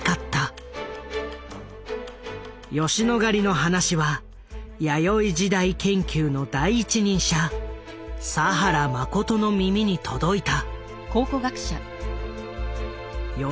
吉野ヶ里の話は弥生時代研究の第一人者佐原眞の耳に届いた。